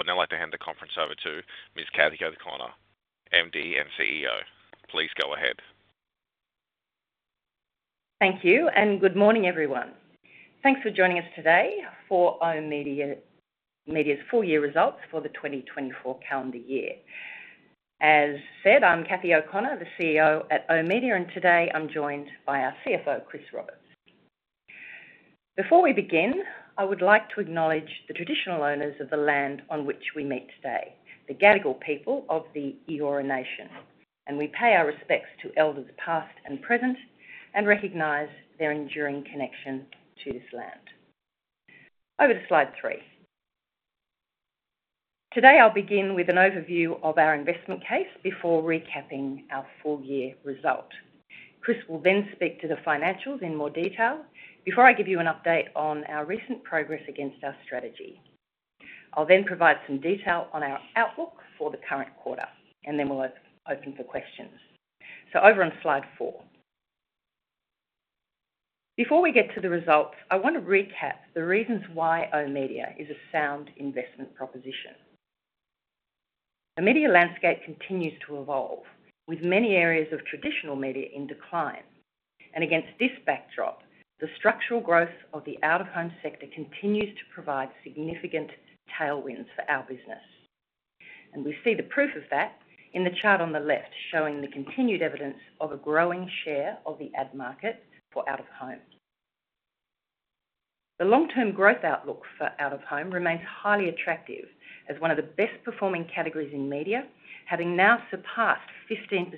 I would now like to hand the conference over to Ms. Cathy O'Connor, MD and CEO. Please go ahead. Thank you, and good morning, everyone. Thanks for joining us today for oOh!media's full year results for the 2024 calendar year. As said, I'm Cathy O'Connor, the CEO at oOh!media, and today I'm joined by our CFO, Chris Roberts. Before we begin, I would like to acknowledge the traditional owners of the land on which we meet today, the Gadigal people of the Eora Nation, and we pay our respects to elders past and present and recognize their enduring connection to this land. Over to slide three. Today I'll begin with an overview of our investment case before recapping our full year result. Chris will then speak to the financials in more detail. Before I give you an update on our recent progress against our strategy, I'll then provide some detail on our outlook for the current quarter, and then we'll open for questions. So over on slide four. Before we get to the results, I want to recap the reasons why oOh!media is a sound investment proposition. The media landscape continues to evolve, with many areas of traditional media in decline, and against this backdrop, the structural growth of the out-of-home sector continues to provide significant tailwinds for our business. And we see the proof of that in the chart on the left, showing the continued evidence of a growing share of the ad market for out-of-home. The long-term growth outlook for out-of-home remains highly attractive as one of the best-performing categories in media, having now surpassed 15%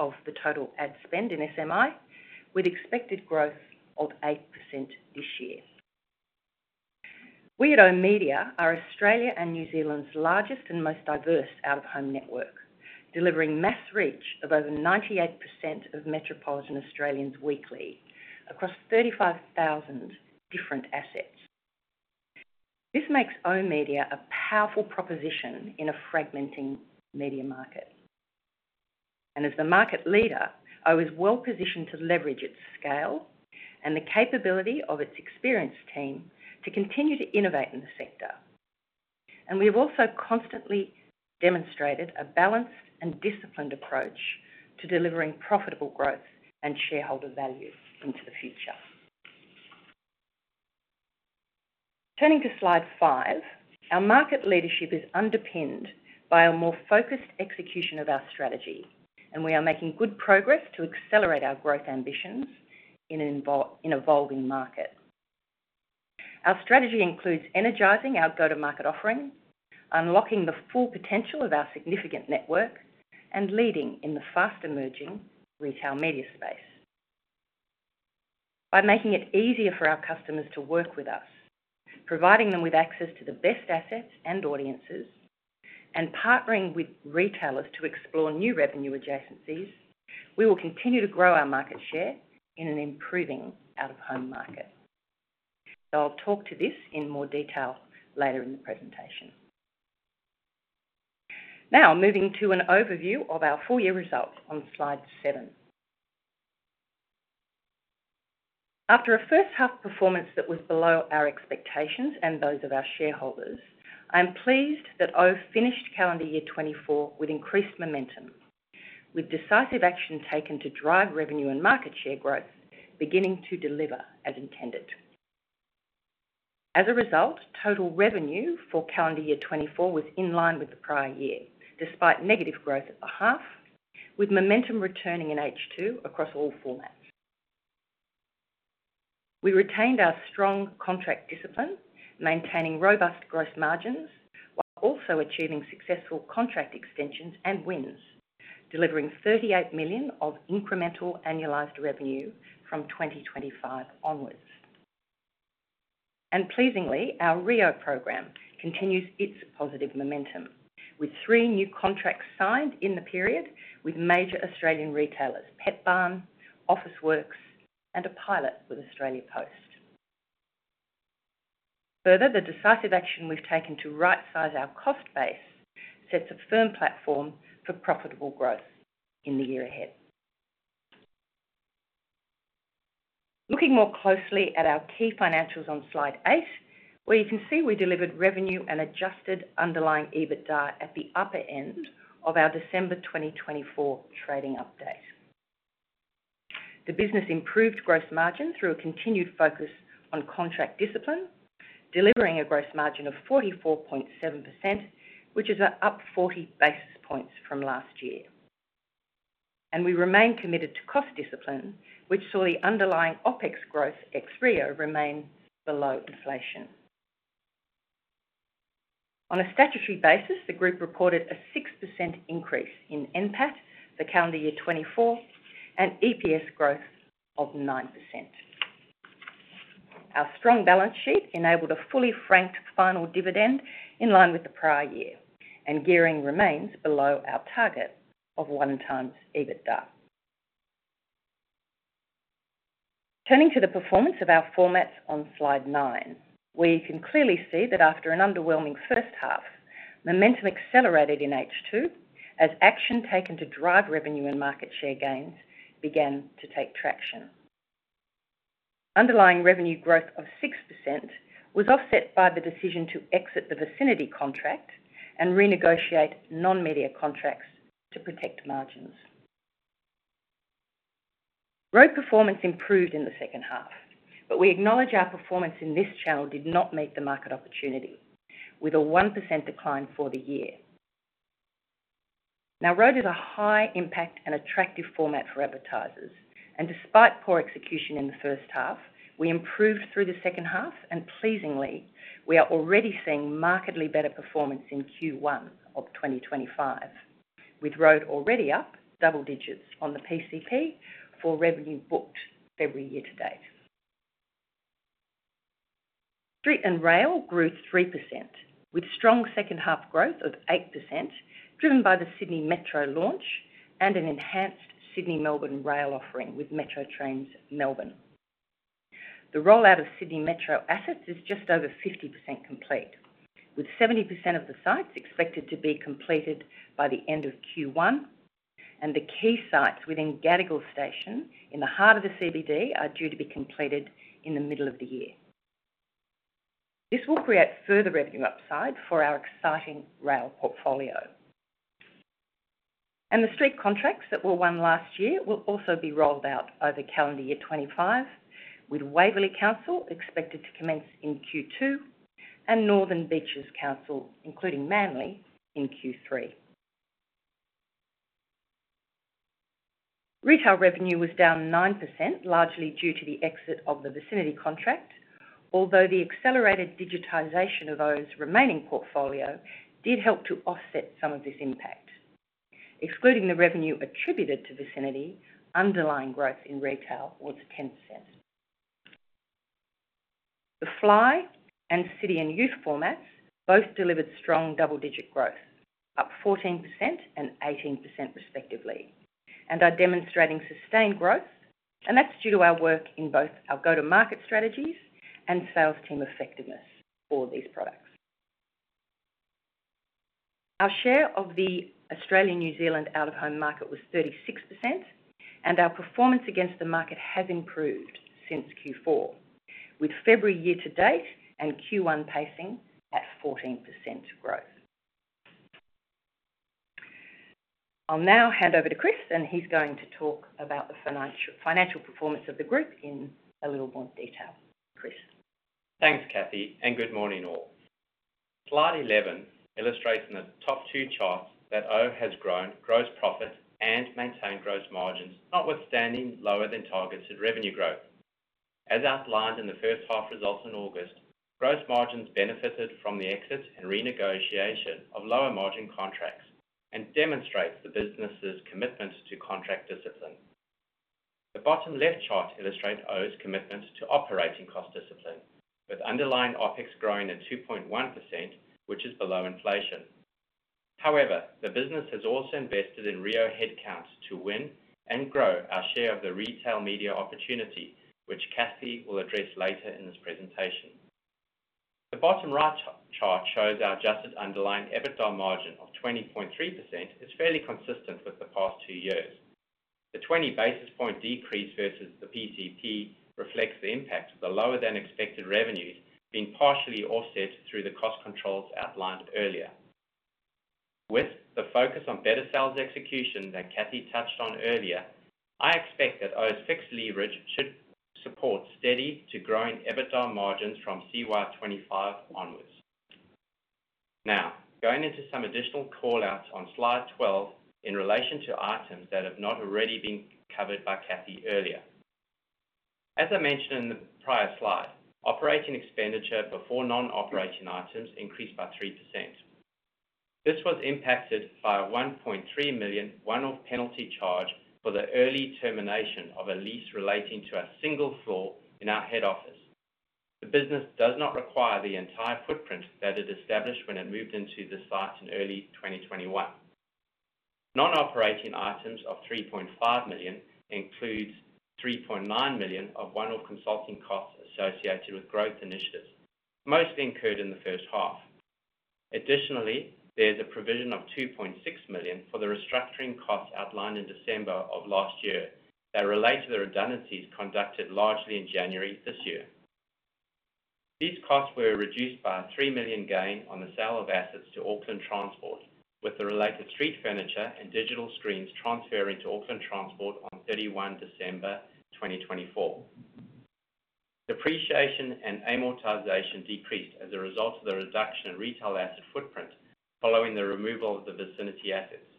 of the total ad spend in SMI, with expected growth of 8% this year. We at oOh!media are Australia and New Zealand's largest and most diverse out-of-home network, delivering mass reach of over 98% of metropolitan Australians weekly across 35,000 different assets. This makes oOh!media a powerful proposition in a fragmenting media market, and as the market leader, oOh! is well positioned to leverage its scale and the capability of its experienced team to continue to innovate in the sector, and we have also constantly demonstrated a balanced and disciplined approach to delivering profitable growth and shareholder value into the future. Turning to slide five, our market leadership is underpinned by a more focused execution of our strategy, and we are making good progress to accelerate our growth ambitions in an evolving market. Our strategy includes energizing our go-to-market offering, unlocking the full potential of our significant network, and leading in the fast-emerging retail media space. By making it easier for our customers to work with us, providing them with access to the best assets and audiences, and partnering with retailers to explore new revenue adjacencies, we will continue to grow our market share in an improving out-of-home market. I'll talk to this in more detail later in the presentation. Now, moving to an overview of our full year results on slide seven. After a first-half performance that was below our expectations and those of our shareholders, I am pleased that oOh!media finished calendar year 2024 with increased momentum, with decisive action taken to drive revenue and market share growth beginning to deliver as intended. As a result, total revenue for calendar year 2024 was in line with the prior year, despite negative growth at the half, with momentum returning in H2 across all formats. We retained our strong contract discipline, maintaining robust gross margins while also achieving successful contract extensions and wins, delivering 38 million of incremental annualized revenue from 2025 onwards, and pleasingly, our reo program continues its positive momentum, with three new contracts signed in the period with major Australian retailers, Petbarn, Officeworks, and a pilot with Australia Post. Further, the decisive action we've taken to right-size our cost base sets a firm platform for profitable growth in the year ahead. Looking more closely at our key financials on slide eight, where you can see we delivered revenue and adjusted underlying EBITDA at the upper end of our December 2024 trading update. The business improved gross margin through a continued focus on contract discipline, delivering a gross margin of 44.7%, which is an up 40 basis points from last year. We remain committed to cost discipline, which saw the underlying OpEx growth ex-reo remain below inflation. On a statutory basis, the group reported a 6% increase in NPAT for calendar year 2024 and EPS growth of 9%. Our strong balance sheet enabled a fully franked final dividend in line with the prior year, and gearing remains below our target of one times EBITDA. Turning to the performance of our formats on slide nine, where you can clearly see that after an underwhelming first half, momentum accelerated in H2 as action taken to drive revenue and market share gains began to take traction. Underlying revenue growth of 6% was offset by the decision to exit the Vicinity contract and renegotiate non-media contracts to protect margins. Road performance improved in the second half, but we acknowledge our performance in this channel did not meet the market opportunity, with a 1% decline for the year. Now, Road is a high-impact and attractive format for advertisers, and despite poor execution in the first half, we improved through the second half, and pleasingly, we are already seeing markedly better performance in Q1 of 2025, with Road already up double digits on the PCP for revenue booked every year to date. Street and Rail grew 3%, with strong second half growth of 8%, driven by the Sydney Metro launch and an enhanced Sydney Melbourne Rail offering with Metro Trains Melbourne. The rollout of Sydney Metro assets is just over 50% complete, with 70% of the sites expected to be completed by the end of Q1, and the key sites within Gadigal Station in the heart of the CBD are due to be completed in the middle of the year. This will create further revenue upside for our exciting Rail portfolio, and the Street contracts that were won last year will also be rolled out over calendar year 2025, with Waverley Council expected to commence in Q2 and Northern Beaches Council, including Manly, in Q3. Retail revenue was down 9%, largely due to the exit of the Vicinity contract, although the accelerated digitization of oOh!'s remaining portfolio did help to offset some of this impact. Excluding the revenue attributed to Vicinity, underlying growth in retail was 10%. The Fly and City and Youth formats both delivered strong double-digit growth, up 14% and 18% respectively, and are demonstrating sustained growth, and that's due to our work in both our go-to-market strategies and sales team effectiveness for these products. Our share of the Australia-New Zealand out-of-home market was 36%, and our performance against the market has improved since Q4, with February year to date and Q1 pacing at 14% growth. I'll now hand over to Chris, and he's going to talk about the financial performance of the group in a little more detail. Chris. Thanks, Cathy, and good morning, all. Slide 11 illustrates in the top two charts that oOh! has grown gross profit and maintained gross margins notwithstanding lower-than-targeted revenue growth. As outlined in the first half results in August, gross margins benefited from the exit and renegotiation of lower-margin contracts and demonstrate the business's commitment to contract discipline. The bottom left chart illustrates oOh!'s commitment to operating cost discipline, with underlying OpEx growing at 2.1%, which is below inflation. However, the business has also invested in reo headcounts to win and grow our share of the retail media opportunity, which Cathy will address later in this presentation. The bottom right chart shows our adjusted underlying EBITDA margin of 20.3% is fairly consistent with the past two years. The 20 basis point decrease versus the PCP reflects the impact of the lower-than-expected revenues being partially offset through the cost controls outlined earlier. With the focus on better sales execution that Cathy touched on earlier, I expect that oOh!media's fixed leverage should support steady to growing EBITDA margins from CY 2025 onwards. Now, going into some additional callouts on slide 12 in relation to items that have not already been covered by Cathy earlier. As I mentioned in the prior slide, operating expenditure before non-operating items increased by 3%. This was impacted by a 1.3 million one-off penalty charge for the early termination of a lease relating to a single floor in our head office. The business does not require the entire footprint that it established when it moved into the site in early 2021. Non-operating items of 3.5 million include 3.9 million of one-off consulting costs associated with growth initiatives, mostly incurred in the first half. Additionally, there's a provision of 2.6 million for the restructuring costs outlined in December of last year that relate to the redundancies conducted largely in January this year. These costs were reduced by an 3 million gain on the sale of assets to Auckland Transport, with the related Street furniture and digital screens transferring to Auckland Transport on 31 December 2024. Depreciation and amortization decreased as a result of the reduction in retail asset footprint following the removal of the Vicinity assets.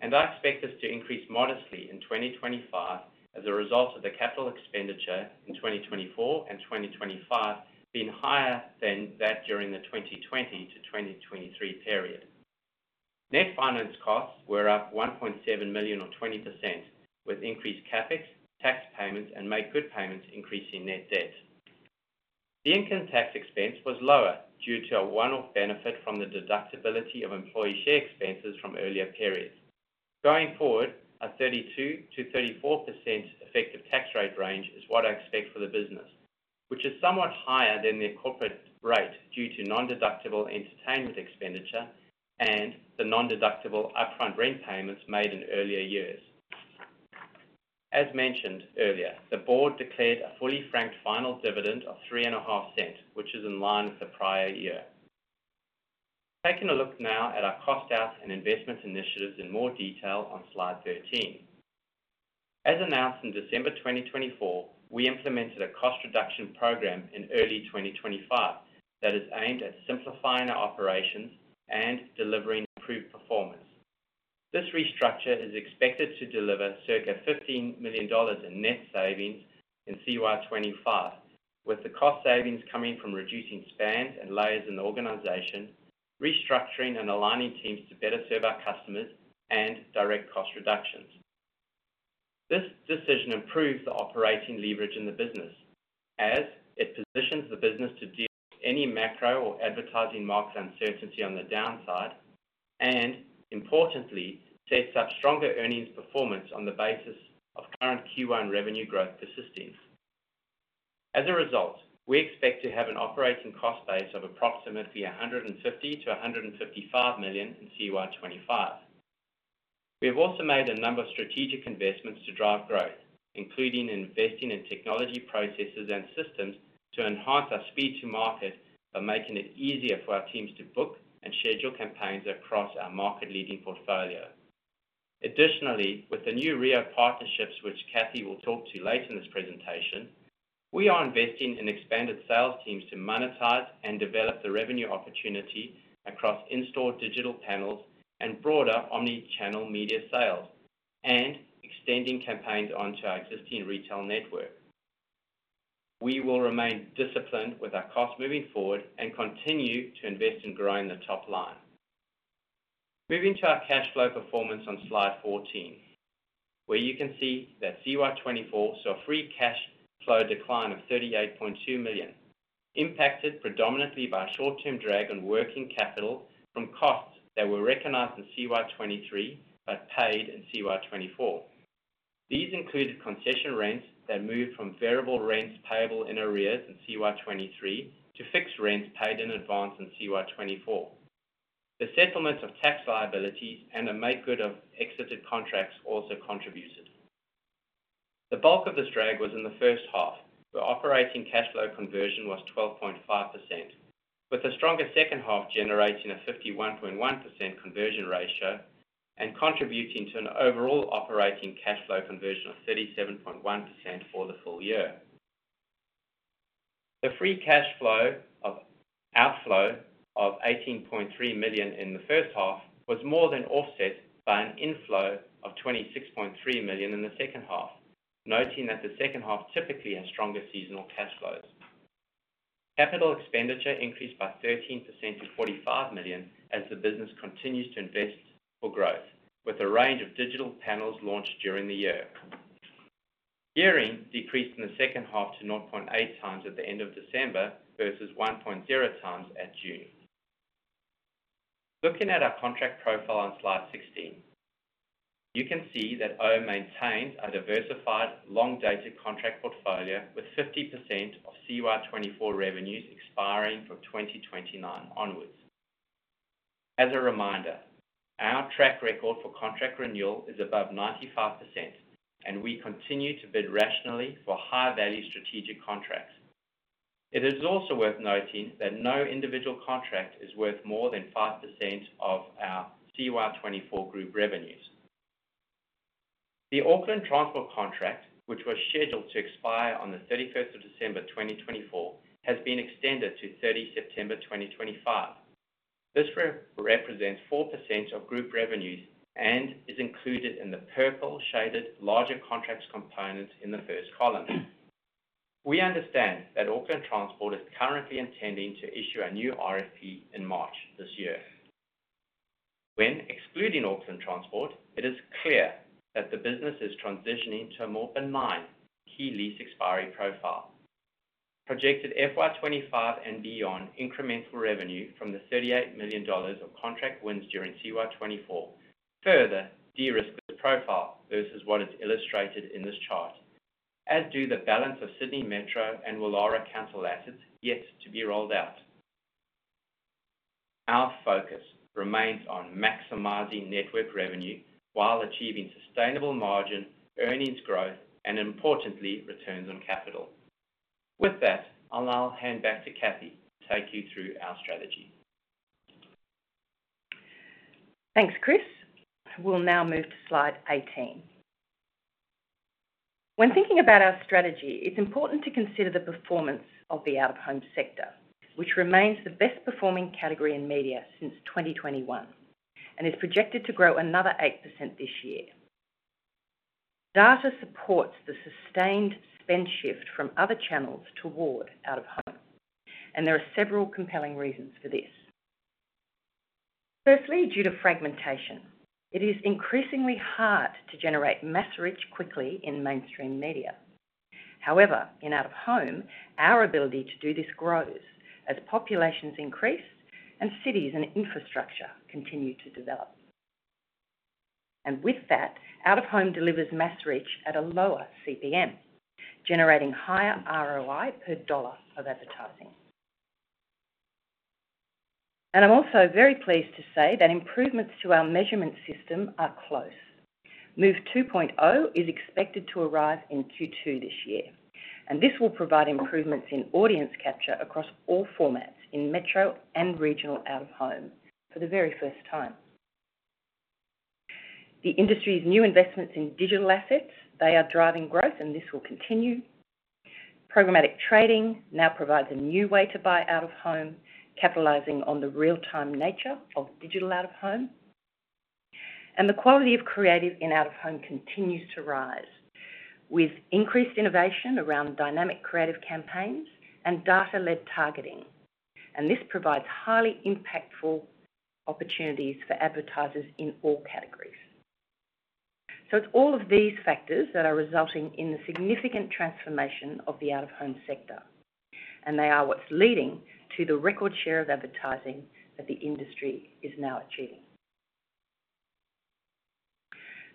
And I expect this to increase modestly in 2025 as a result of the capital expenditure in 2024 and 2025 being higher than that during the 2020 to 2023 period. Net finance costs were up 1.7 million or 20%, with increased CapEx, tax payments, and make good payments increasing net debt. The income tax expense was lower due to a one-off benefit from the deductibility of employee share expenses from earlier periods. Going forward, a 32%-34% effective tax rate range is what I expect for the business, which is somewhat higher than their corporate rate due to non-deductible entertainment expenditure and the non-deductible upfront rent payments made in earlier years. As mentioned earlier, the board declared a fully franked final dividend of 3.5%, which is in line with the prior year. Taking a look now at our cost out and investment initiatives in more detail on slide 13. As announced in December 2024, we implemented a cost reduction program in early 2025 that is aimed at simplifying our operations and delivering improved performance. This restructure is expected to deliver circa 15 million dollars in net savings in CY 2025, with the cost savings coming from reducing spans and layers in the organization, restructuring and aligning teams to better serve our customers and direct cost reductions. This decision improves the operating leverage in the business as it positions the business to deal with any macro or advertising market uncertainty on the downside and, importantly, sets up stronger earnings performance on the basis of current Q1 revenue growth persisting. As a result, we expect to have an operating cost base of approximately 150 million-155 million in CY 2025. We have also made a number of strategic investments to drive growth, including investing in technology processes and systems to enhance our speed to market by making it easier for our teams to book and schedule campaigns across our market-leading portfolio. Additionally, with the new reo partnerships, which Cathy will talk to later in this presentation, we are investing in expanded sales teams to monetize and develop the revenue opportunity across in-store digital panels and broader omnichannel media sales, and extending campaigns onto our existing retail network. We will remain disciplined with our cost moving forward and continue to invest in growing the top line. Moving to our cash flow performance on slide 14, where you can see that CY 2024 saw a free cash flow decline of 38.2 million, impacted predominantly by a short-term drag on working capital from costs that were recognized in CY 2023 but paid in CY 2024. These included concession rents that moved from variable rents payable in arrears in CY 2023 to fixed rents paid in advance in CY 2024. The settlement of tax liabilities and the make good of exited contracts also contributed. The bulk of this drag was in the first half, where operating cash flow conversion was 12.5%, with the stronger second half generating a 51.1% conversion ratio and contributing to an overall operating cash flow conversion of 37.1% for the full year. The free cash flow outflow of 18.3 million in the first half was more than offset by an inflow of 26.3 million in the second half, noting that the second half typically has stronger seasonal cash flows. Capital expenditure increased by 13% to 45 million as the business continues to invest for growth, with a range of digital panels launched during the year. Gearing decreased in the second half to 0.8x at the end of December versus 1.0x at June. Looking at our contract profile on slide 16, you can see that oOh! maintains a diversified long-dated contract portfolio with 50% of CY 2024 revenues expiring from 2029 onwards. As a reminder, our track record for contract renewal is above 95%, and we continue to bid rationally for high-value strategic contracts. It is also worth noting that no individual contract is worth more than 5% of our CY 2024 group revenues. The Auckland Transport contract, which was scheduled to expire on the 31st of December 2024, has been extended to 30 September 2025. This represents 4% of group revenues and is included in the purple-shaded larger contracts components in the first column. We understand that Auckland Transport is currently intending to issue a new RFP in March this year. When excluding Auckland Transport, it is clear that the business is transitioning to a more benign key lease expiry profile. Projected FY 2025 and beyond, incremental revenue from the 38 million dollars of contract wins during CY 2024 further de-risked this profile versus what is illustrated in this chart, as do the balance of Sydney Metro and Woollahra Council assets yet to be rolled out. Our focus remains on maximizing network revenue while achieving sustainable margin, earnings growth, and importantly, returns on capital. With that, I'll now hand back to Cathy to take you through our strategy. Thanks, Chris. We'll now move to slide 18. When thinking about our strategy, it's important to consider the performance of the out-of-home sector, which remains the best-performing category in media since 2021 and is projected to grow another 8% this year. Data supports the sustained spend shift from other channels toward out-of-home, and there are several compelling reasons for this. Firstly, due to fragmentation, it is increasingly hard to generate mass reach quickly in mainstream media. However, in out-of-home, our ability to do this grows as populations increase and cities and infrastructure continue to develop. And with that, out-of-home delivers mass reach at a lower CPM, generating higher ROI per dollar of advertising. And I'm also very pleased to say that improvements to our measurement system are close. MOVE 2.0 is expected to arrive in Q2 this year, and this will provide improvements in audience capture across all formats in metro and regional out-of-home for the very first time. The industry's new investments in digital assets, they are driving growth, and this will continue. Programmatic trading now provides a new way to buy out-of-home, capitalizing on the real-time nature of digital out-of-home, and the quality of creative in out-of-home continues to rise, with increased innovation around dynamic creative campaigns and data-led targeting, and this provides highly impactful opportunities for advertisers in all categories, so it's all of these factors that are resulting in the significant transformation of the out-of-home sector, and they are what's leading to the record share of advertising that the industry is now achieving,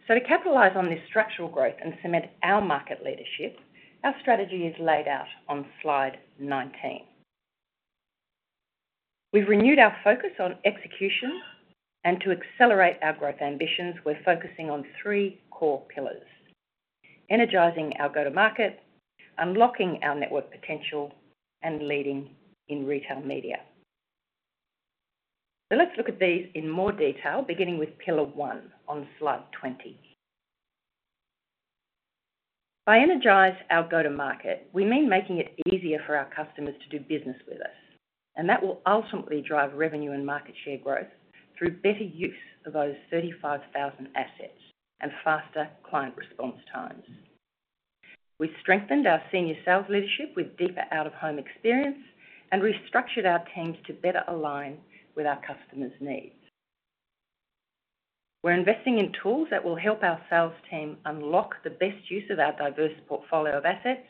so to capitalize on this structural growth and cement our market leadership, our strategy is laid out on slide 19. We've renewed our focus on execution, and to accelerate our growth ambitions, we're focusing on three core pillars: energizing our go-to-market, unlocking our network potential, and leading in retail media. So let's look at these in more detail, beginning with pillar one on slide 20. By energize our go-to-market, we mean making it easier for our customers to do business with us, and that will ultimately drive revenue and market share growth through better use of those 35,000 assets and faster client response times. We've strengthened our senior sales leadership with deeper out-of-home experience and restructured our teams to better align with our customers' needs. We're investing in tools that will help our sales team unlock the best use of our diverse portfolio of assets,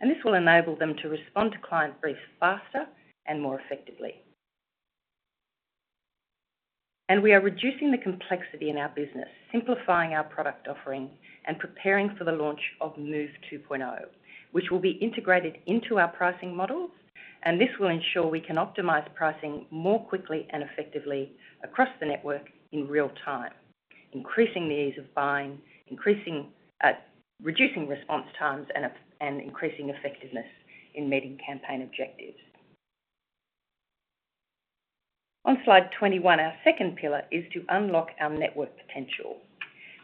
and this will enable them to respond to client briefs faster and more effectively. And we are reducing the complexity in our business, simplifying our product offering, and preparing for the launch of MOVE 2.0, which will be integrated into our pricing models, and this will ensure we can optimize pricing more quickly and effectively across the network in real time, increasing the ease of buying, reducing response times, and increasing effectiveness in meeting campaign objectives. On slide 21, our second pillar is to unlock our network potential,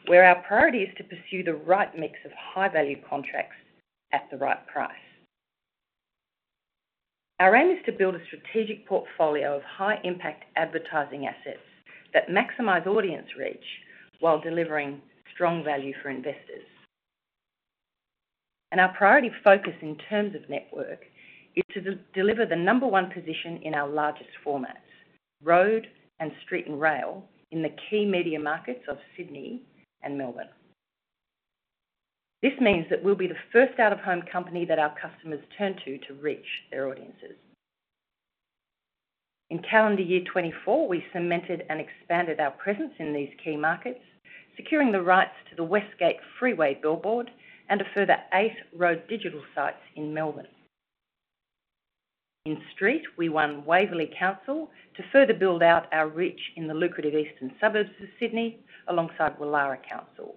where our priority is to pursue the right mix of high-value contracts at the right price. Our aim is to build a strategic portfolio of high-impact advertising assets that maximize audience reach while delivering strong value for investors. And our priority focus in terms of network is to deliver the number one position in our largest formats, Road and Street and Rail, in the key media markets of Sydney and Melbourne. This means that we'll be the first out-of-home company that our customers turn to to reach their audiences. In calendar year 2024, we cemented and expanded our presence in these key markets, securing the rights to the West Gate Freeway billboard and a further eight road digital sites in Melbourne. In Street, we won Waverley Council to further build out our reach in the lucrative eastern suburbs of Sydney alongside Woollahra Council,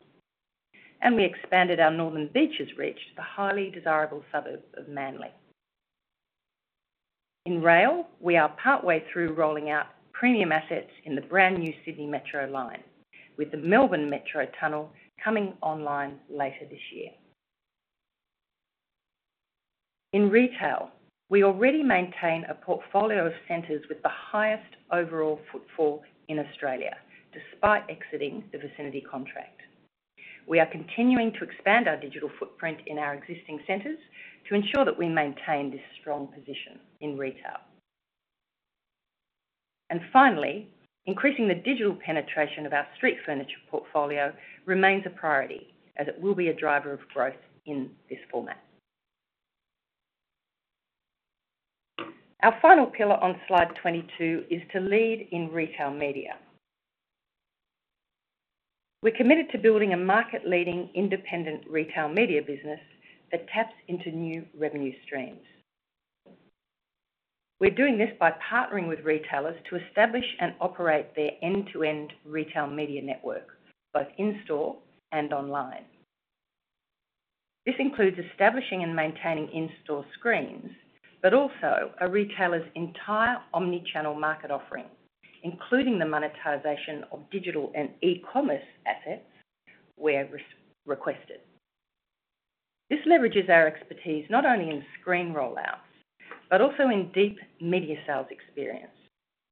and we expanded our Northern Beaches reach to the highly desirable suburb of Manly. In Rail, we are partway through rolling out premium assets in the brand new Sydney Metro line, with the Melbourne Metro Tunnel coming online later this year. In retail, we already maintain a portfolio of centers with the highest overall footfall in Australia, despite exiting the Vicinity contract. We are continuing to expand our digital footprint in our existing centers to ensure that we maintain this strong position in retail. And finally, increasing the digital penetration of our Street furniture portfolio remains a priority as it will be a driver of growth in this format. Our final pillar on slide 22 is to lead in retail media. We're committed to building a market-leading independent retail media business that taps into new revenue streams. We're doing this by partnering with retailers to establish and operate their end-to-end retail media network, both in-store and online. This includes establishing and maintaining in-store screens, but also a retailer's entire omnichannel market offering, including the monetization of digital and e-commerce assets where requested. This leverages our expertise not only in screen rollouts, but also in deep media sales experience,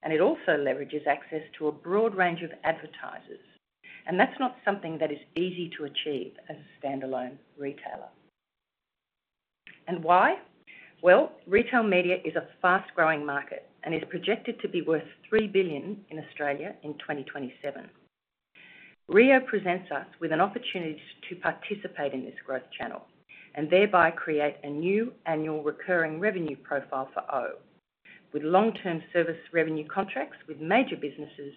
and it also leverages access to a broad range of advertisers, and that's not something that is easy to achieve as a standalone retailer. And why? Well, retail media is a fast-growing market and is projected to be worth 3 billion in Australia in 2027. reo presents us with an opportunity to participate in this growth channel and thereby create a new annual recurring revenue profile for oOh! with long-term service revenue contracts with major businesses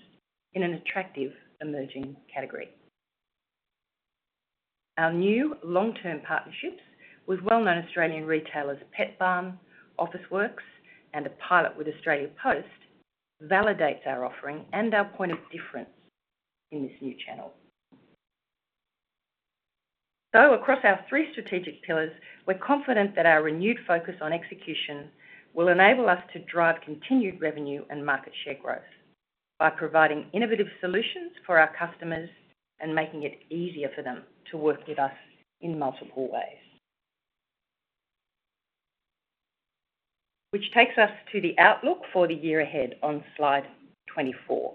in an attractive emerging category. Our new long-term partnerships with well-known Australian retailers Petbarn, Officeworks, and a pilot with Australia Post validates our offering and our point of difference in this new channel. So across our three strategic pillars, we're confident that our renewed focus on execution will enable us to drive continued revenue and market share growth by providing innovative solutions for our customers and making it easier for them to work with us in multiple ways. Which takes us to the outlook for the year ahead on slide 24.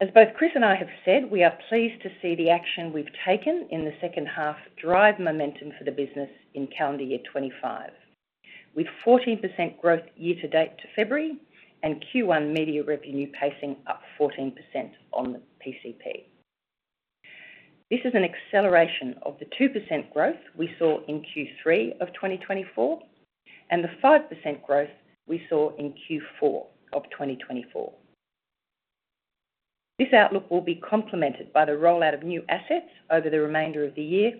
As both Chris and I have said, we are pleased to see the action we've taken in the second half drive momentum for the business in calendar year 2025, with 14% growth year-to-date to February and Q1 media revenue pacing up 14% on the PCP. This is an acceleration of the 2% growth we saw in Q3 of 2024 and the 5% growth we saw in Q4 of 2024. This outlook will be complemented by the rollout of new assets over the remainder of the year,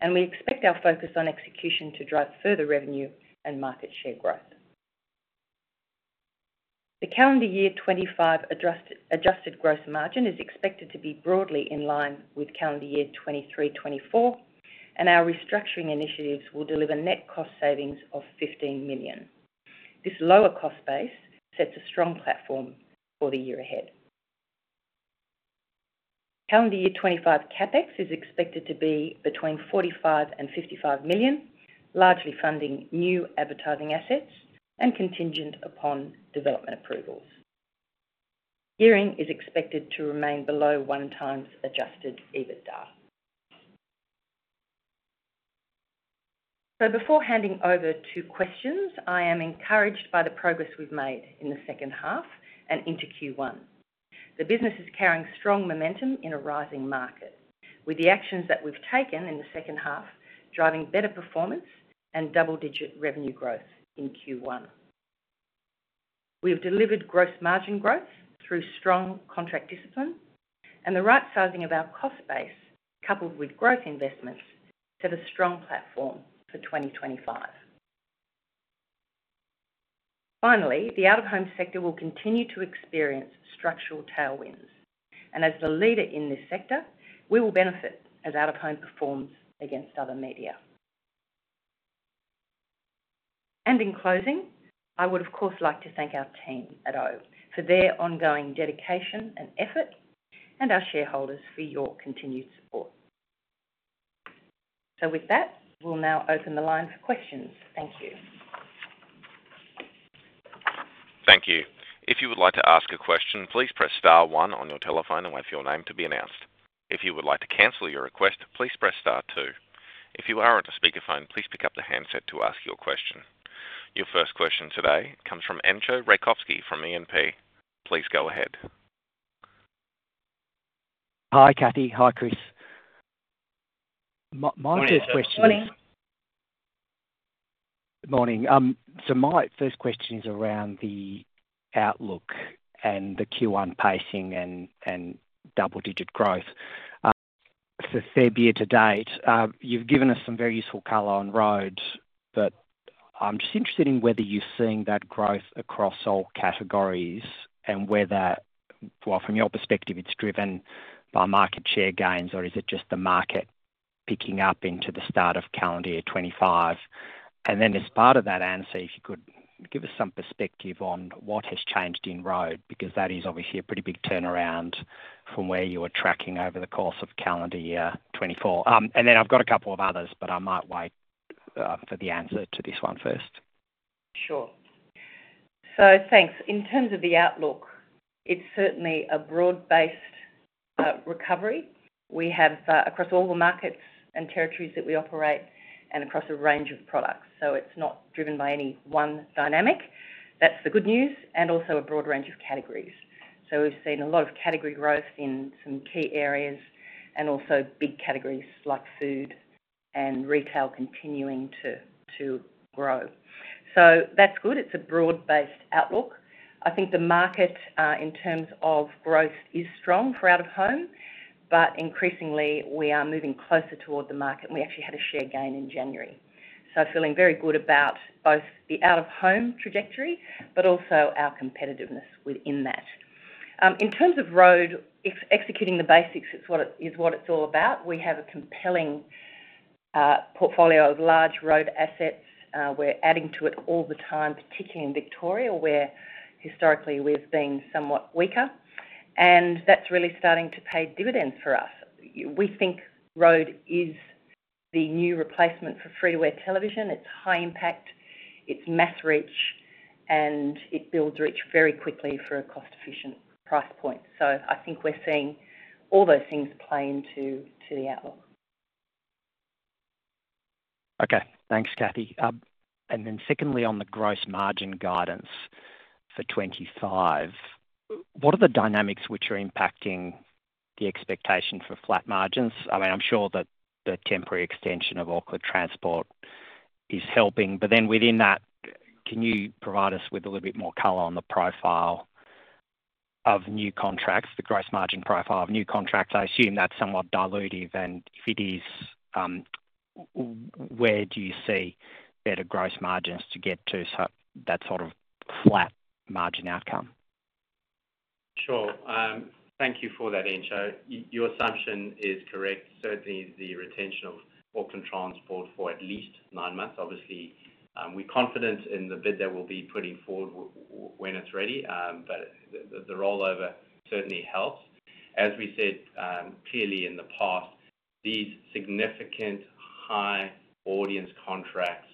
and we expect our focus on execution to drive further revenue and market share growth. The calendar year 2025 adjusted gross margin is expected to be broadly in line with calendar year 2023-2024, and our restructuring initiatives will deliver net cost savings of 15 million. This lower cost base sets a strong platform for the year ahead. Calendar year 2025 CapEx is expected to be between 45 million and 55 million, largely funding new advertising assets and contingent upon development approvals. Gearing is expected to remain below one times adjusted EBITDA. So before handing over to questions, I am encouraged by the progress we've made in the second half and into Q1. The business is carrying strong momentum in a rising market, with the actions that we've taken in the second half driving better performance and double-digit revenue growth in Q1. We've delivered gross margin growth through strong contract discipline and the right sizing of our cost base, coupled with growth investments, set a strong platform for 2025. Finally, the out-of-home sector will continue to experience structural tailwinds, and as the leader in this sector, we will benefit as out-of-home performs against other media. And in closing, I would, of course, like to thank our team at oOh!media for their ongoing dedication and effort, and our shareholders for your continued support. So with that, we'll now open the line for questions. Thank you. Thank you. If you would like to ask a question, please press star one on your telephone and wait for your name to be announced. If you would like to cancel your request, please press star two. If you are on a speakerphone, please pick up the handset to ask your question. Your first question today comes from Entcho Raykovski from E&P. Please go ahead. Hi, Cathy. Hi, Chris. My first question. Morning. Good morning, so my first question is around the outlook and the Q1 pacing and double-digit growth, for the year to date, you've given us some very useful color on roads, but I'm just interested in whether you're seeing that growth across all categories and whether, well, from your perspective, it's driven by market share gains, or is it just the market picking up into the start of calendar year 2025? and then as part of that answer, if you could give us some perspective on what has changed in roads, because that is obviously a pretty big turnaround from where you were tracking over the course of calendar year 2024, and then I've got a couple of others, but I might wait for the answer to this one first. Sure. So thanks. In terms of the outlook, it's certainly a broad-based recovery. We have across all the markets and territories that we operate and across a range of products. So it's not driven by any one dynamic. That's the good news, and also a broad range of categories. So we've seen a lot of category growth in some key areas and also big categories like food and retail continuing to grow. So that's good. It's a broad-based outlook. I think the market in terms of growth is strong for out-of-home, but increasingly we are moving closer toward the market, and we actually had a share gain in January. So feeling very good about both the out-of-home trajectory, but also our competitiveness within that. In terms of roads, executing the basics is what it's all about. We have a compelling portfolio of large road assets. We're adding to it all the time, particularly in Victoria, where historically we've been somewhat weaker, and that's really starting to pay dividends for us. We think road is the new replacement for free-to-air television. It's high impact, it's mass reach, and it builds reach very quickly for a cost-efficient price point. So I think we're seeing all those things play into the outlook. Okay. Thanks, Cathy. And then secondly, on the gross margin guidance for 2025, what are the dynamics which are impacting the expectation for flat margins? I mean, I'm sure that the temporary extension of Auckland Transport is helping, but then within that, can you provide us with a little bit more color on the profile of new contracts, the gross margin profile of new contracts? I assume that's somewhat dilutive, and if it is, where do you see better gross margins to get to that sort of flat margin outcome? Sure. Thank you for that, Entcho. Your assumption is correct. Certainly, the retention of Auckland Transport for at least nine months. Obviously, we're confident in the bid that we'll be putting forward when it's ready, but the rollover certainly helps. As we said clearly in the past, these significant high audience contracts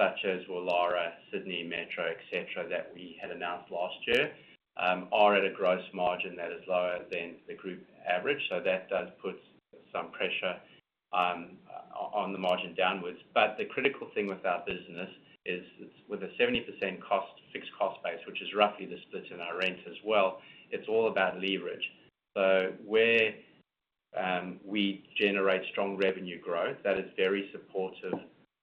such as Woollahra, Sydney Metro, etc., that we had announced last year are at a gross margin that is lower than the group average. So that does put some pressure on the margin downwards. But the critical thing with our business is with a 70% fixed cost base, which is roughly the split in our rent as well, it's all about leverage. So where we generate strong revenue growth, that is very supportive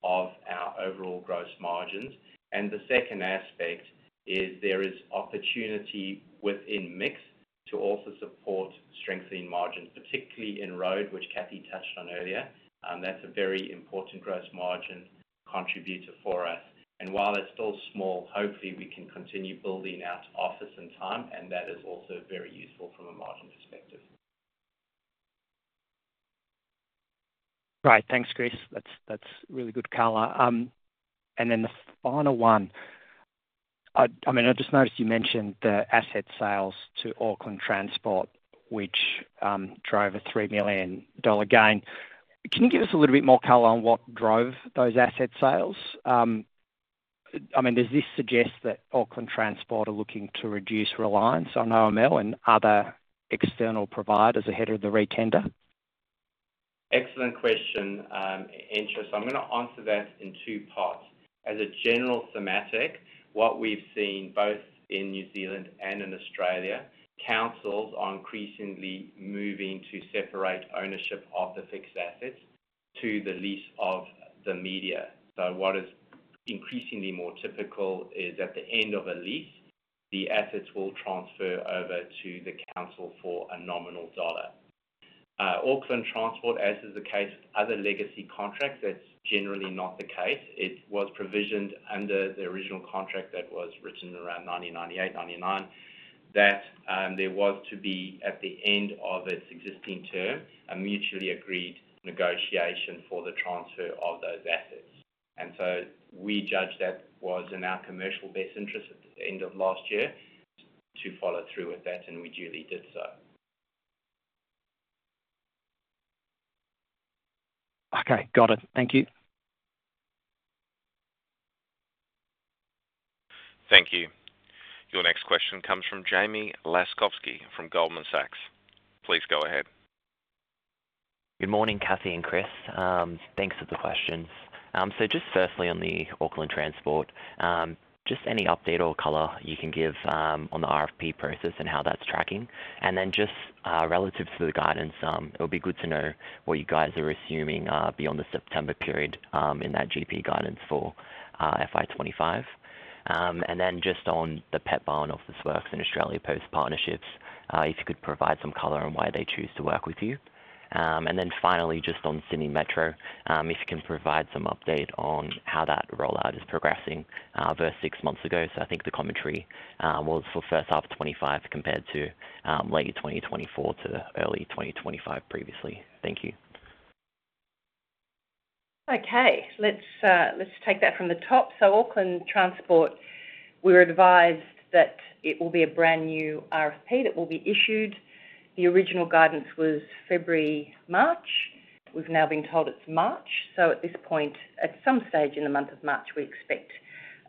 of our overall gross margins. The second aspect is there is opportunity within mix to also support strengthening margins, particularly in road, which Cathy touched on earlier. That's a very important gross margin contributor for us. While it's still small, hopefully we can continue building out oOh! and reo, and that is also very useful from a margin perspective. Right. Thanks, Chris. That's really good color. And then the final one, I mean, I just noticed you mentioned the asset sales to Auckland Transport, which drove a 3 million dollar gain. Can you give us a little bit more color on what drove those asset sales? I mean, does this suggest that Auckland Transport are looking to reduce reliance on OML and other external providers ahead of the re-tender? Excellent question, Entcho. So I'm going to answer that in two parts. As a general thematic, what we've seen both in New Zealand and in Australia, councils are increasingly moving to separate ownership of the fixed assets to the lease of the media. So what is increasingly more typical is at the end of a lease, the assets will transfer over to the council for a nominal dollar. Auckland Transport, as is the case with other legacy contracts, that's generally not the case. It was provisioned under the original contract that was written around 1998, 1999, that there was to be at the end of its existing term a mutually agreed negotiation for the transfer of those assets. And so we judged that was in our commercial best interest at the end of last year to follow through with that, and we duly did so. Okay. Got it. Thank you. Thank you. Your next question comes from Jamie Laskovski from Goldman Sachs. Please go ahead. Good morning, Cathy and Chris. Thanks for the questions. Just firstly on the Auckland Transport, just any update or color you can give on the RFP process and how that's tracking. Then just relative to the guidance, it would be good to know what you guys are assuming beyond the September period in that GP guidance for FY 2025. Then just on the Petbarn Officeworks and Australia Post partnerships, if you could provide some color on why they choose to work with you. Then finally, just on Sydney Metro, if you can provide some update on how that rollout is progressing versus six months ago. I think the commentary was for first half of 2025 compared to late 2024 to early 2025 previously. Thank you. Okay. Let's take that from the top. So Auckland Transport, we were advised that it will be a brand new RFP that will be issued. The original guidance was February, March. We've now been told it's March. So at this point, at some stage in the month of March, we expect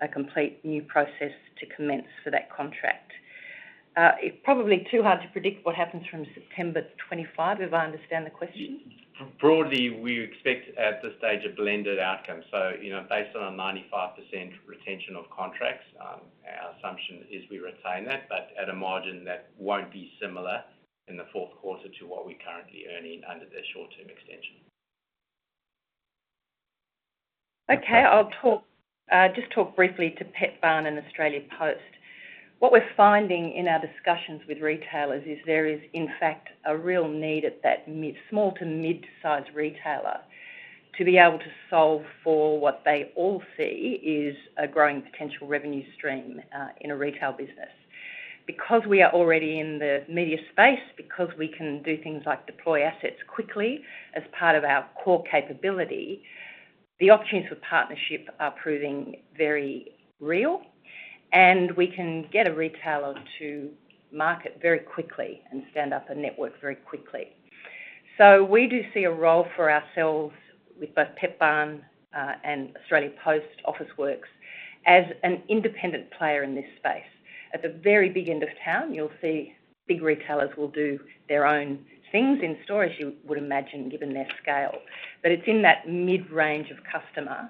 a complete new process to commence for that contract. It's probably too hard to predict what happens from September 2025, if I understand the question. Broadly, we expect at this stage a blended outcome. So based on our 95% retention of contracts, our assumption is we retain that, but at a margin that won't be similar in the fourth quarter to what we're currently earning under their short-term extension. Okay. I'll just talk briefly to Petbarn and Australia Post. What we're finding in our discussions with retailers is there is, in fact, a real need at that small to mid-size retailer to be able to solve for what they all see is a growing potential revenue stream in a retail business. Because we are already in the media space, because we can do things like deploy assets quickly as part of our core capability, the opportunities for partnership are proving very real, and we can get a retailer to market very quickly and stand up a network very quickly. So we do see a role for ourselves with both Petbarn and Australia Post, Officeworks as an independent player in this space. At the very big end of town, you'll see big retailers will do their own things in stores, you would imagine, given their scale. But it's in that mid-range of customer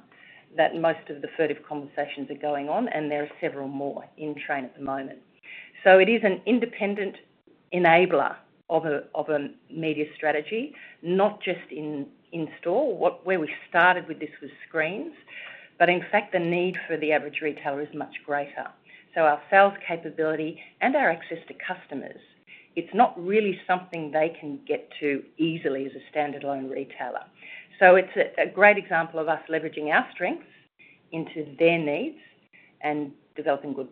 that most of the furtive conversations are going on, and there are several more in train at the moment. So it is an independent enabler of a media strategy, not just in store. Where we started with this was screens, but in fact, the need for the average retailer is much greater. So our sales capability and our access to customers, it's not really something they can get to easily as a standalone retailer. So it's a great example of us leveraging our strengths into their needs and developing good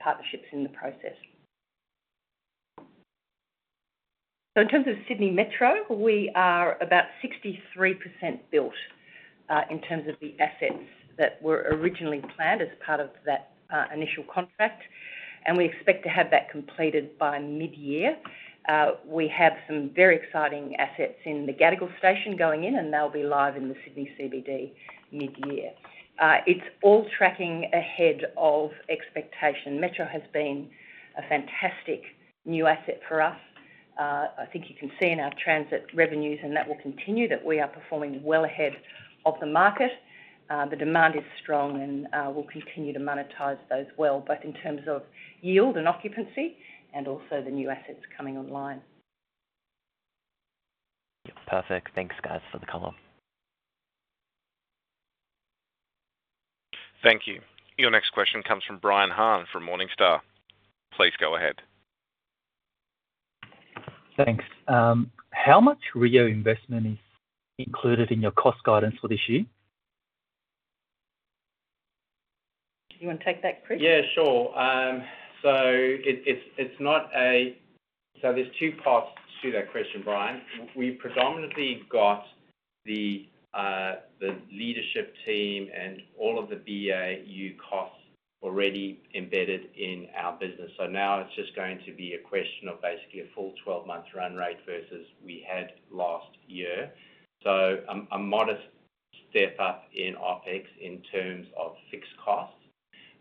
partnerships in the process. So in terms of Sydney Metro, we are about 63% built in terms of the assets that were originally planned as part of that initial contract, and we expect to have that completed by mid-year. We have some very exciting assets in the Gadigal station going in, and they'll be live in the Sydney CBD mid-year. It's all tracking ahead of expectation. Metro has been a fantastic new asset for us. I think you can see in our transit revenues, and that will continue that we are performing well ahead of the market. The demand is strong, and we'll continue to monetize those well, both in terms of yield and occupancy, and also the new assets coming online. Perfect. Thanks, guys, for the color. Thank you. Your next question comes from Brian Han from Morningstar. Please go ahead. Thanks. How much reinvestment is included in your cost guidance for this year? Do you want to take that, Chris? Yeah, sure. So it's not a—so there's two parts to that question, Brian. We predominantly got the leadership team and all of the BAU costs already embedded in our business. So now it's just going to be a question of basically a full 12-month run rate versus we had last year. So a modest step up in OpEx in terms of fixed costs.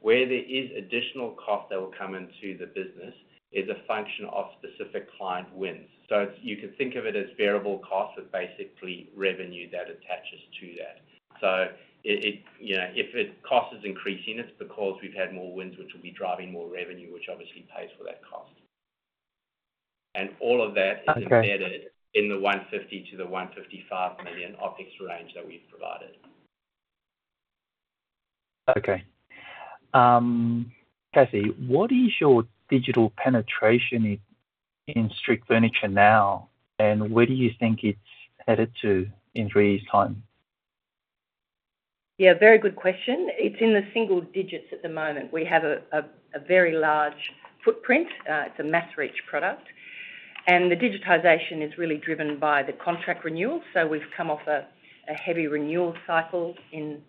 Where there is additional cost that will come into the business is a function of specific client wins. So you can think of it as variable costs of basically revenue that attaches to that. So if the cost is increasing, it's because we've had more wins, which will be driving more revenue, which obviously pays for that cost. And all of that is embedded in the 150 million-155 million OpEx range that we've provided. Okay. Cathy, what is your digital penetration in Street furniture now, and where do you think it's headed to in three years' time? Yeah, very good question. It's in the single digits at the moment. We have a very large footprint. It's a mass reach product. And the digitization is really driven by the contract renewal. So we've come off a heavy renewal cycle in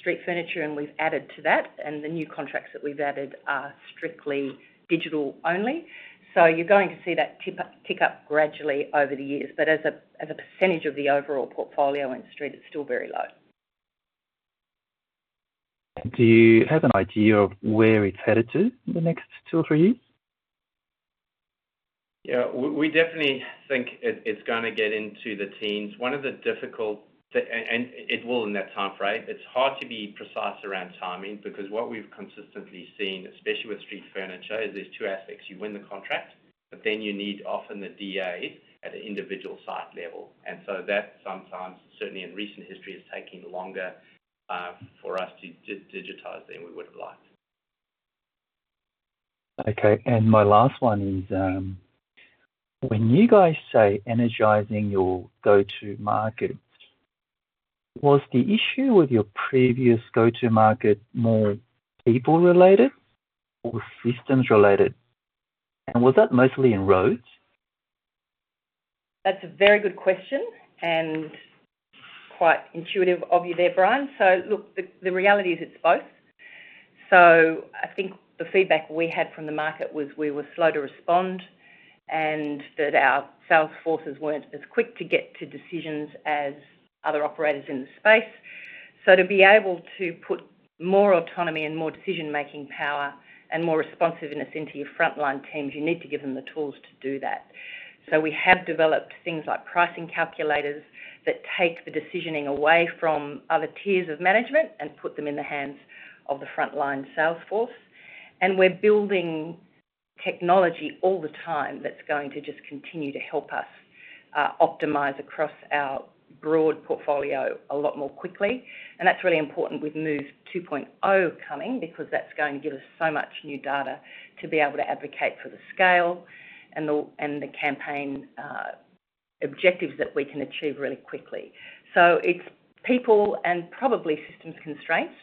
Street furniture, and we've added to that. And the new contracts that we've added are strictly digital only. So you're going to see that tick up gradually over the years. But as a percentage of the overall portfolio in Street, it's still very low. Do you have an idea of where it's headed to in the next two or three years? Yeah. We definitely think it's going to get into the teens. One of the difficult, and it will in that time frame. It's hard to be precise around timing because what we've consistently seen, especially with Street furniture, is there's two aspects. You win the contract, but then you need often the DAs at the individual site level. And so that sometimes, certainly in recent history, is taking longer for us to digitize than we would have liked. Okay. And my last one is, when you guys say energizing your go-to market, was the issue with your previous go-to market more people-related or systems-related? And was that mostly in roads? That's a very good question and quite intuitive of you there, Brian. So look, the reality is it's both. So I think the feedback we had from the market was we were slow to respond and that our sales forces weren't as quick to get to decisions as other operators in the space. So to be able to put more autonomy and more decision-making power and more responsiveness into your frontline teams, you need to give them the tools to do that. So we have developed things like pricing calculators that take the decisioning away from other tiers of management and put them in the hands of the frontline sales force. And we're building technology all the time that's going to just continue to help us optimize across our broad portfolio a lot more quickly. That's really important with MOVE 2.0 coming because that's going to give us so much new data to be able to advocate for the scale and the campaign objectives that we can achieve really quickly. It's people and probably systems constraints.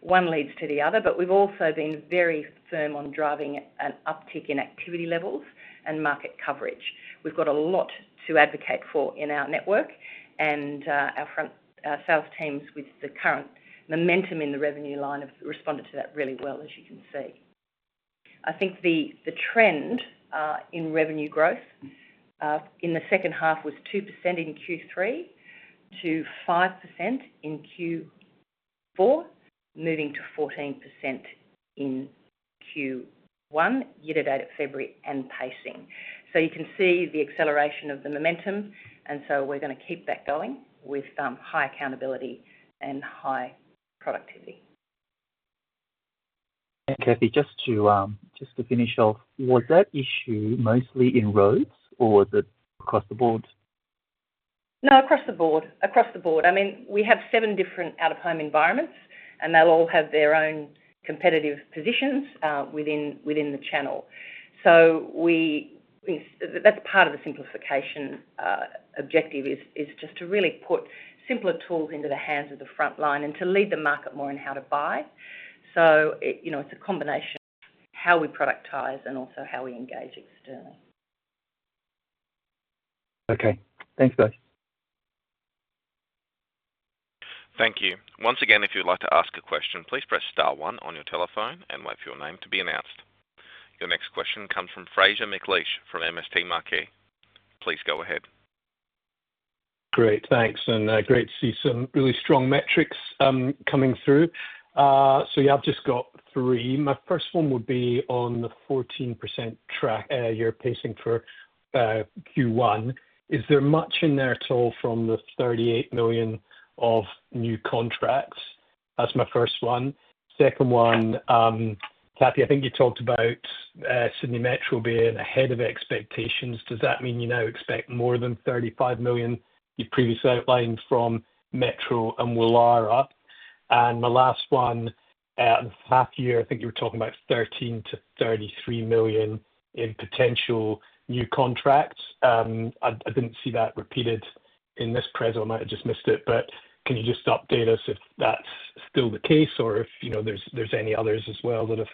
One leads to the other, but we've also been very firm on driving an uptick in activity levels and market coverage. We've got a lot to advocate for in our network, and our sales teams with the current momentum in the revenue line have responded to that really well, as you can see. I think the trend in revenue growth in the second half was 2% in Q3 to 5% in Q4, moving to 14% in Q1, year-to-date of February and pacing. You can see the acceleration of the momentum, and so we're going to keep that going with high accountability and high productivity. And Cathy, just to finish off, was that issue mostly in roads or was it across the board? No, across the board. Across the board. I mean, we have seven different out-of-home environments, and they'll all have their own competitive positions within the channel. So that's part of the simplification objective, is just to really put simpler tools into the hands of the frontline and to lead the market more in how to buy. So it's a combination of how we productize and also how we engage externally. Okay. Thanks, guys. Thank you. Once again, if you'd like to ask a question, please press star one on your telephone and wait for your name to be announced. Your next question comes from Fraser McLeish from MST Marquee. Please go ahead. Great. Thanks. And great to see some really strong metrics coming through. So yeah, I've just got three. My first one would be on the 14% track you're pacing for Q1. Is there much in there at all from the 38 million of new contracts? That's my first one. Second one, Cathy, I think you talked about Sydney Metro being ahead of expectations. Does that mean you now expect more than 35 million? Your previous outline from Metro and Woollahra. And my last one, half year, I think you were talking about 13 million-33 million in potential new contracts. I didn't see that repeated in this presentation. I might have just missed it. But can you just update us if that's still the case or if there's any others as well that have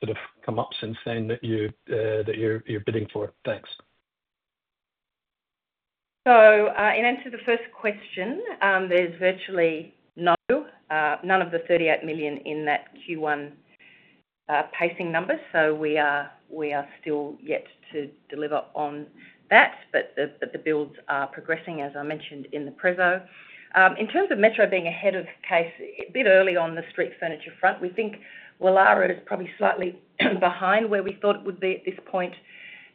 sort of come up since then that you're bidding for? Thanks. So in answer to the first question, there's virtually none of the 38 million in that Q1 pacing number. So we are still yet to deliver on that, but the builds are progressing, as I mentioned, in the prezo. In terms of Metro being ahead of the pace a bit early on the Street furniture front, we think Woollahra is probably slightly behind where we thought it would be at this point,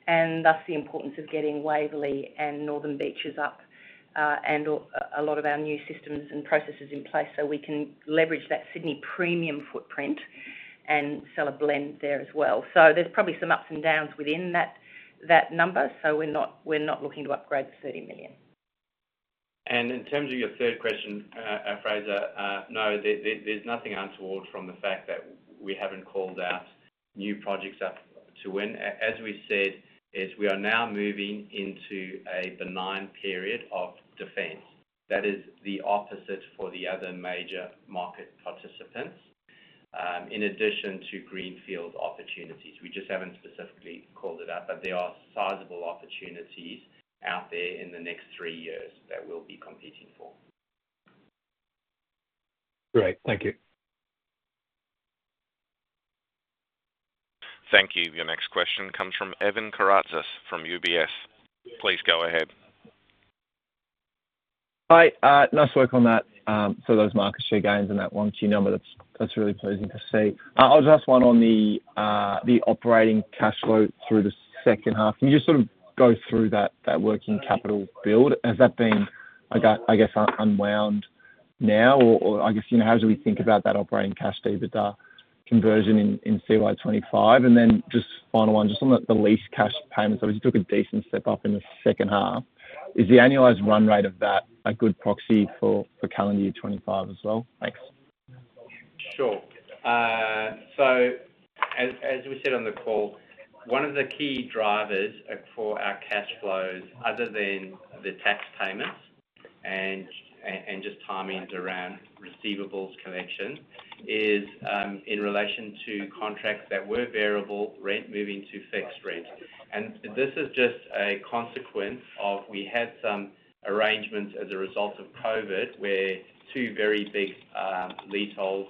and thus the importance of getting Waverley and Northern Beaches up and a lot of our new systems and processes in place so we can leverage that Sydney premium footprint and sell a blend there as well. So there's probably some ups and downs within that number, so we're not looking to upgrade the 30 million. In terms of your third question, Fraser, no, there's nothing untoward from the fact that we haven't called out new projects up to when. As we said, we are now moving into a benign period of defense. That is the opposite for the other major market participants, in addition to greenfield opportunities. We just haven't specifically called it out, but there are sizable opportunities out there in the next three years that we'll be competing for. Great. Thank you. Thank you. Your next question comes from Evan Karatzas from UBS. Please go ahead. Hi. Nice work on that. So those market share gains and that 1Q number, that's really pleasing to see. I'll just ask one on the operating cash flow through the second half. Can you just sort of go through that working capital build? Has that been, I guess, unwound now? Or I guess, how do we think about that operating cash, EBITDA, conversion in CY 25? And then just final one, just on the lease cash payments, obviously took a decent step up in the second half. Is the annualized run rate of that a good proxy for calendar year 2025 as well? Thanks. Sure. As we said on the call, one of the key drivers for our cash flows, other than the tax payments and just timings around receivables collection, is in relation to contracts that were variable rent moving to fixed rent. This is just a consequence of we had some arrangements as a result of COVID where two very big lessees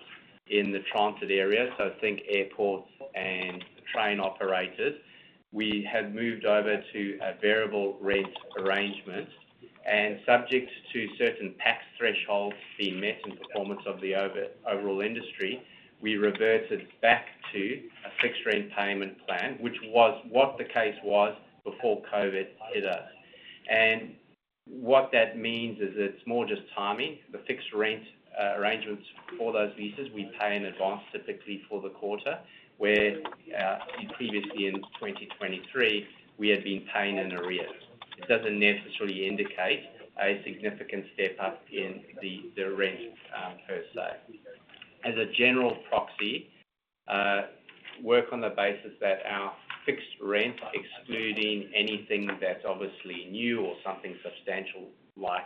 in the transit area, so think airports and train operators, we had moved over to a variable rent arrangement. Subject to certain revenue thresholds being met and performance of the overall industry, we reverted back to a fixed rent payment plan, which was what the case was before COVID hit us. What that means is it's more just timing. The fixed rent arrangements for those leases, we pay in advance typically for the quarter where previously in 2023, we had been paying in arrears. It doesn't necessarily indicate a significant step up in the rent per se. As a general proxy, work on the basis that our fixed rent, excluding anything that's obviously new or something substantial like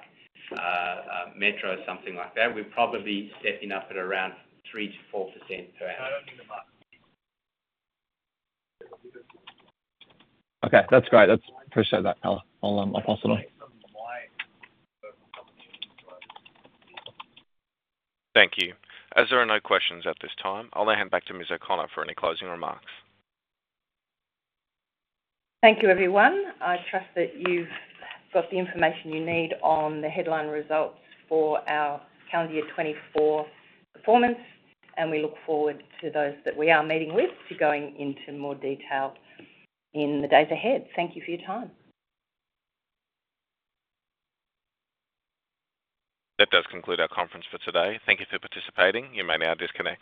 Metro, something like that, we're probably stepping up at around 3%-4% per annum. Okay. That's great. Appreciate that, color. I'll pass it on. Thank you. As there are no questions at this time, I'll now hand back to Ms. O'Connor for any closing remarks. Thank you, everyone. I trust that you've got the information you need on the headline results for our calendar year 2024 performance, and we look forward to those that we are meeting with to going into more detail in the days ahead. Thank you for your time. That does conclude our conference for today. Thank you for participating. You may now disconnect.